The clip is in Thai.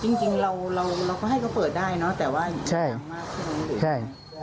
จริงจริงเราเราก็ให้เขาเปิดได้เนอะแต่ว่าใช่มากขึ้นใช่